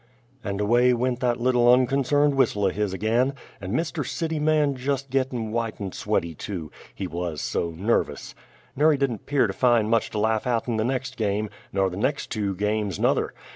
And away went that little unconcerned whistle o' his ag'in, and Mr. Cityman jest gittin' white and sweaty too he wuz so nervous. Ner he didn't 'pear to find much to laugh at in the next game ner the next two games nuther!